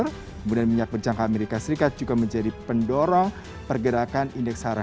kemudian minyak berjangka amerika serikat juga menjadi pendorong pergerakan indeks harga